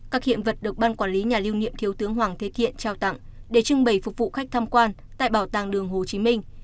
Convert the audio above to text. các hiện vật được ban quản lý nhà lưu niệm thiếu tướng hoàng thế thiện trao tặng để trưng bày phục vụ khách tham quan tại bảo tàng đường hồ chí minh